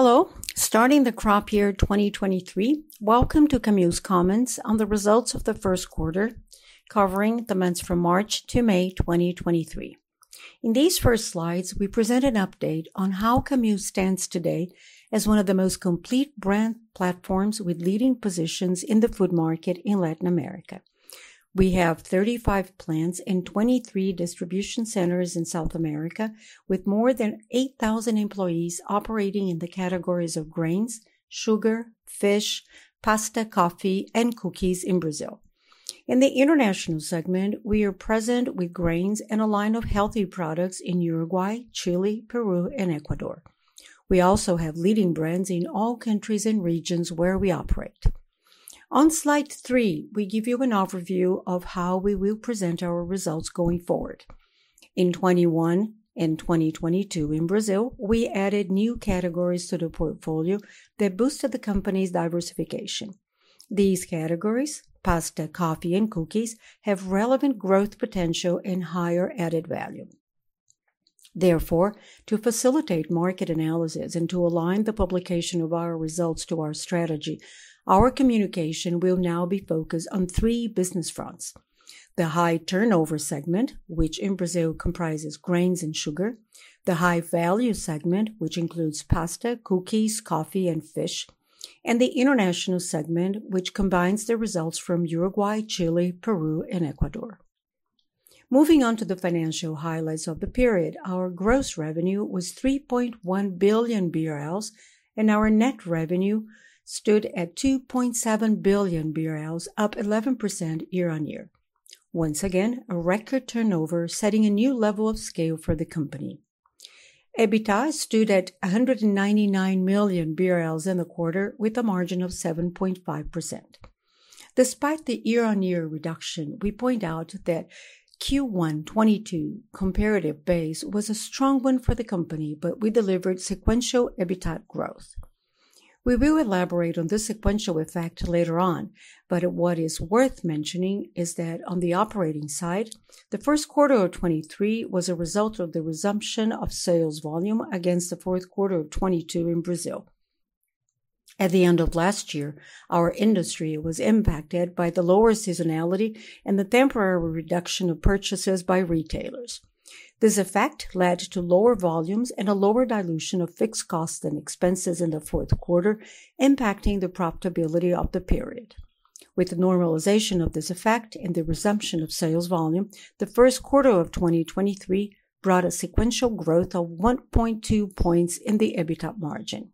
Hello! Starting the crop year 2023, welcome to Camil's comments on the results of the 1st quarter, covering the months from March to May 2023. In these first slides, we present an update on how Camil stands today as one of the most complete brand platforms with leading positions in the food market in Latin America. We have 35 plants and 23 distribution centers in South America, with more than 8,000 employees operating in the categories of grains, sugar, fish, pasta, coffee, and cookies in Brazil. In the international segment, we are present with grains and a line of healthy products in Uruguay, Chile, Peru, and Ecuador. We also have leading brands in all countries and regions where we operate. On slide three, we give you an overview of how we will present our results going forward. In 2021 and 2022 in Brazil, we added new categories to the portfolio that boosted the company's diversification. These categories: pasta, coffee, and cookies, have relevant growth potential and higher added value. To facilitate market analysis and to align the publication of our results to our strategy, our communication will now be focused on three business fronts: the high turnover segment, which in Brazil comprises grains and sugar; the high-value segment, which includes pasta, cookies, coffee, and fish; and the international segment, which combines the results from Uruguay, Chile, Peru, and Ecuador. Moving on to the financial highlights of the period, our gross revenue was 3.1 billion BRL, and our net revenue stood at 2.7 billion BRL, up 11% year-over-year. Once again, a record turnover, setting a new level of scale for the company. EBITDA stood at 199 million BRL in the quarter, with a margin of 7.5%. Despite the year-on-year reduction, we point out that Q1 2022 comparative base was a strong one for the company. We delivered sequential EBITDA growth. We will elaborate on this sequential effect later on. What is worth mentioning is that on the operating side, the first quarter of 2023 was a result of the resumption of sales volume against the fourth quarter of 2022 in Brazil. At the end of last year, our industry was impacted by the lower seasonality and the temporary reduction of purchases by retailers. This effect led to lower volumes and a lower dilution of fixed costs and expenses in the fourth quarter, impacting the profitability of the period. With the normalization of this effect and the resumption of sales volume, the first quarter of 2023 brought a sequential growth of 1.2 points in the EBITDA margin.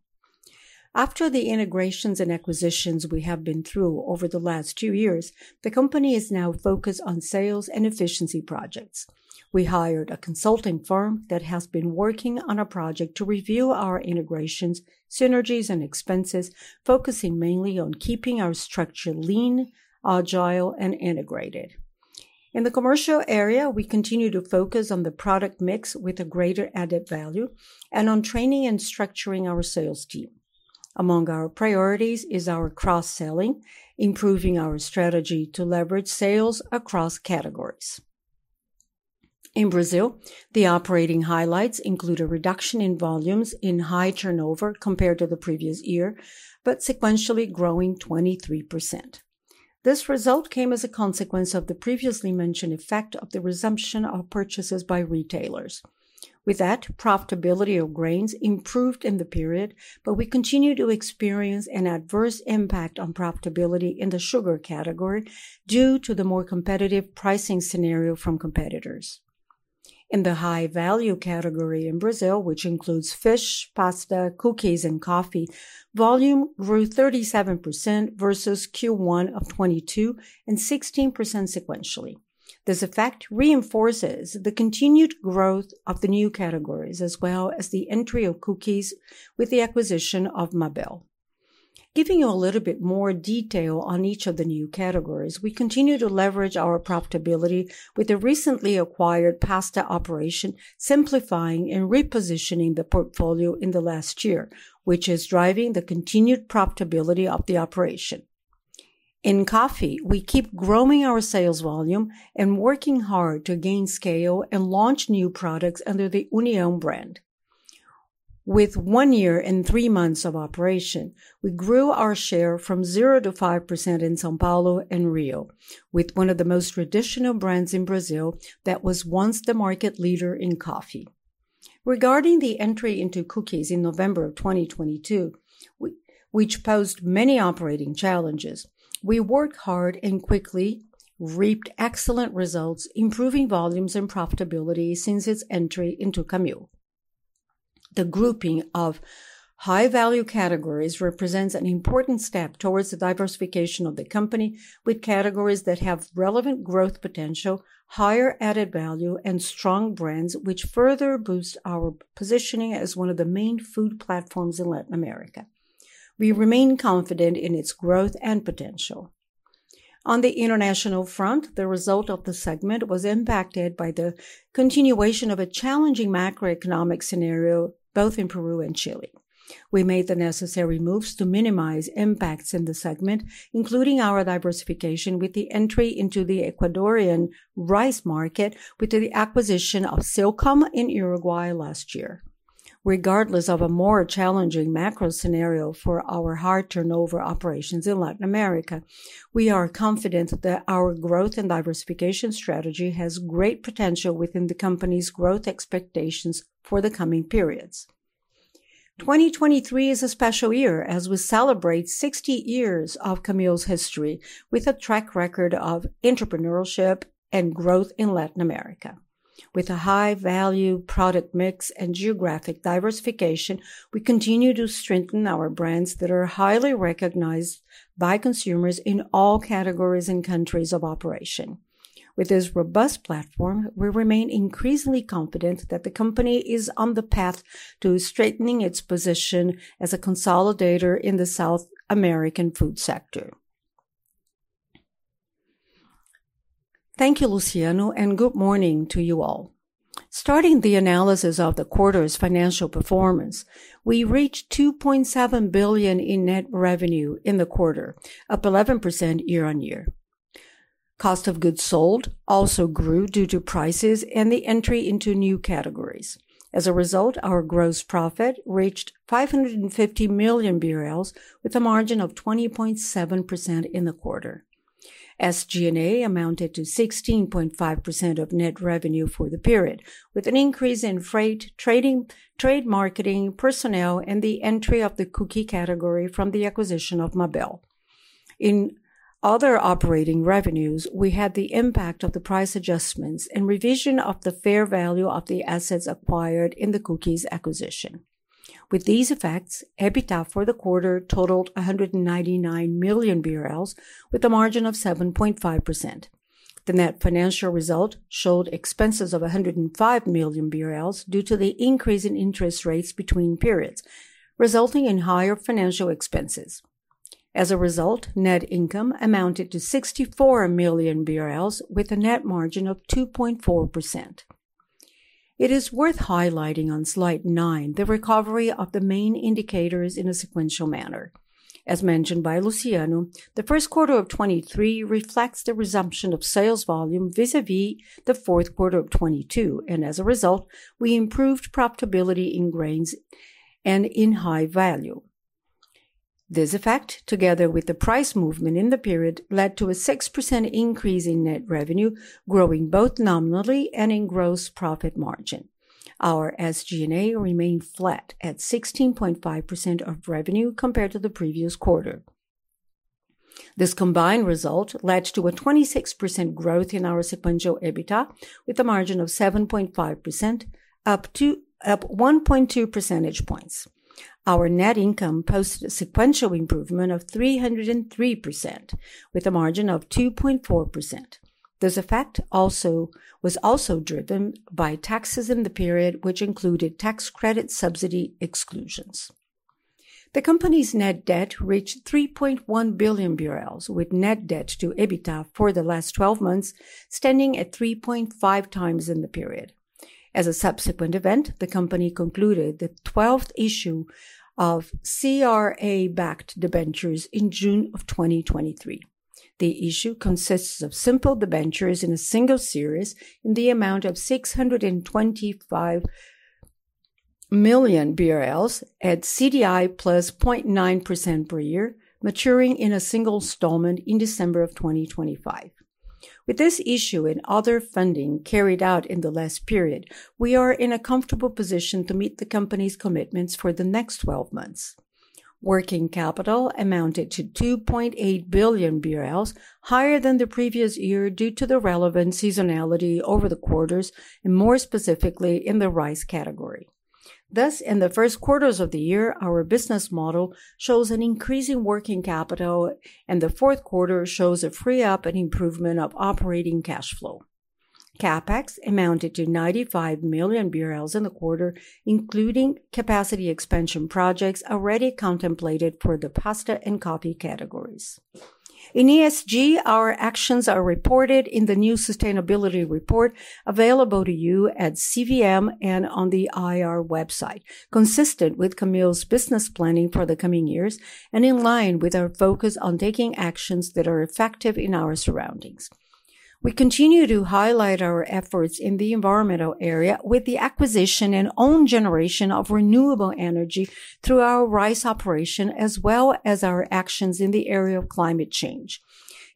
After the integrations and acquisitions we have been through over the last two years, the company is now focused on sales and efficiency projects. We hired a consulting firm that has been working on a project to review our integrations, synergies, and expenses, focusing mainly on keeping our structure lean, agile, and integrated. In the commercial area, we continue to focus on the product mix with a greater added value and on training and structuring our sales team. Among our priorities is our cross-selling, improving our strategy to leverage sales across categories. In Brazil, the operating highlights include a reduction in volumes in High Turnover compared to the previous year, but sequentially growing 23%. This result came as a consequence of the previously mentioned effect of the resumption of purchases by retailers. Profitability of grains improved in the period, we continue to experience an adverse impact on profitability in the sugar category due to the more competitive pricing scenario from competitors. In the high-value segment in Brazil, which includes fish, pasta, cookies, and coffee, volume grew 37% versus Q1 of 2022 and 16% sequentially. This effect reinforces the continued growth of the new categories, as well as the entry of cookies with the acquisition of Mabel. Giving you a little bit more detail on each of the new categories, we continue to leverage our profitability with the recently acquired pasta operation, simplifying and repositioning the portfolio in the last year, which is driving the continued profitability of the operation. In coffee, we keep growing our sales volume and working hard to gain scale and launch new products under the União brand. With one year and three months of operation, we grew our share from 0% to 5% in São Paulo and Rio, with one of the most traditional brands in Brazil that was once the market leader in coffee. Regarding the entry into cookies in November of 2022, which posed many operating challenges, we worked hard and quickly reaped excellent results, improving volumes and profitability since its entry into Camil. The grouping of high-value categories represents an important step towards the diversification of the company, with categories that have relevant growth potential, higher added value, and strong brands, which further boost our positioning as one of the main food platforms in Latin America. We remain confident in its growth and potential. On the international front, the result of the segment was impacted by the continuation of a challenging macroeconomic scenario, both in Peru and Chile. We made the necessary moves to minimize impacts in the segment, including our diversification with the entry into the Ecuadorian rice market, with the acquisition of Silcom in Uruguay last year. Regardless of a more challenging macro scenario for our high turnover operations in Latin America, we are confident that our growth and diversification strategy has great potential within the company's growth expectations for the coming periods. 2023 is a special year as we celebrate 60 years of Camil's history, with a track record of entrepreneurship and growth in Latin America. With a high-value product mix and geographic diversification, we continue to strengthen our brands that are highly recognized by consumers in all categories and countries of operation. With this robust platform, we remain increasingly confident that the company is on the path to strengthening its position as a consolidator in the South American food sector. Thank you, Luciano. Good morning to you all. Starting the analysis of the quarter's financial performance, we reached 2.7 billion in net revenue in the quarter, up 11% year-on-year. Cost of goods sold also grew due to prices and the entry into new categories. Our gross profit reached 550 million BRL, with a margin of 20.7% in the quarter. SG&A amounted to 16.5% of net revenue for the period, with an increase in freight, trade marketing, personnel, and the entry of the cookie category from the acquisition of Mabel. In other operating revenues, we had the impact of the price adjustments and revision of the fair value of the assets acquired in the cookies acquisition. With these effects, EBITDA for the quarter totaled 199 million BRL, with a margin of 7.5%. The net financial result showed expenses of 105 million BRL due to the increase in interest rates between periods, resulting in higher financial expenses. As a result, net income amounted to 64 million BRL, with a net margin of 2.4%. It is worth highlighting on slide nine, the recovery of the main indicators in a sequential manner. As mentioned by Luciano, the first quarter of 2023 reflects the resumption of sales volume vis-a-vis the fourth quarter of 2022, and as a result, we improved profitability in grains and in high value. This effect, together with the price movement in the period, led to a 6% increase in net revenue, growing both nominally and in gross profit margin. Our SG&A remained flat at 16.5% of revenue compared to the previous quarter. This combined result led to a 26% growth in our sequential EBITDA, with a margin of 7.5%, up 1.2 percentage points. Our net income posted a sequential improvement of 303%, with a margin of 2.4%. This effect was also driven by taxes in the period, which included tax credit subsidy exclusions. The company's net debt reached 3.1 billion BRL, with net debt to EBITDA for the last 12 months, standing at 3.5 times in the period. As a subsequent event, the company concluded the 12th issue of CRA-backed debentures in June of 2023. The issue consists of simple debentures in a single series in the amount of 625 million BRL at CDI +0.9% per year, maturing in a single installment in December of 2025. With this issue and other funding carried out in the last period, we are in a comfortable position to meet the company's commitments for the next 12 months. Working capital amounted to 2.8 billion BRL, higher than the previous year due to the relevant seasonality over the quarters and more specifically in the rice category. Thus, in the first quarters of the year, our business model shows an increase in working capital, and the fourth quarter shows a free-up and improvement of operating cash flow. CapEx amounted to 95 million BRL in the quarter, including capacity expansion projects already contemplated for the pasta and coffee categories. In ESG, our actions are reported in the new sustainability report, available to you at CVM and on the IR website, consistent with Camil's business planning for the coming years and in line with our focus on taking actions that are effective in our surroundings. We continue to highlight our efforts in the environmental area with the acquisition and own generation of renewable energy through our rice operation, as well as our actions in the area of climate change.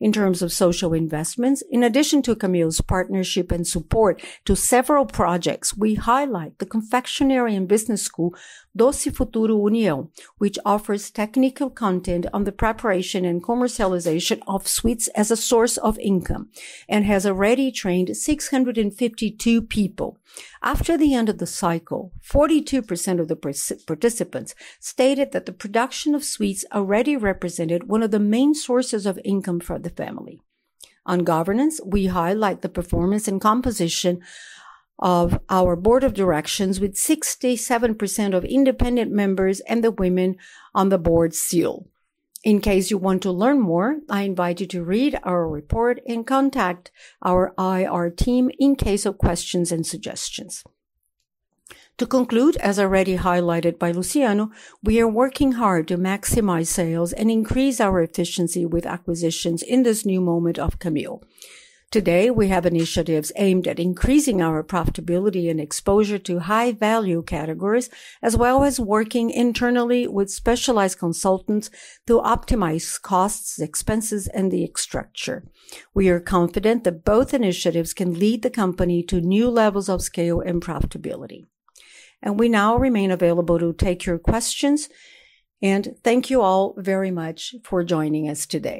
In terms of social investments, in addition to Camil's partnership and support to several projects, we highlight the confectionery and business school, Doce Futuro União, which offers technical content on the preparation and commercialization of sweets as a source of income and has already trained 652 people. After the end of the cycle, 42% of the participants stated that the production of sweets already represented one of the main sources of income for the family. On governance, we highlight the performance and composition of our board of directors with 67% of independent members and the women on the board seal. In case you want to learn more, I invite you to read our report and contact our IR team in case of questions and suggestions. To conclude, as already highlighted by Luciano, we are working hard to maximize sales and increase our efficiency with acquisitions in this new moment of Camil. Today, we have initiatives aimed at increasing our profitability and exposure to high-value categories, as well as working internally with specialized consultants to optimize costs, expenses, and the structure. We are confident that both initiatives can lead the company to new levels of scale and profitability. We now remain available to take your questions, and thank you all very much for joining us today.